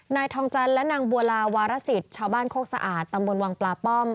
นายทองจันทร์และนางบัวลาวารสิทธิ์ชาวบ้านโคกสะอาดตำบลวังปลาป้อม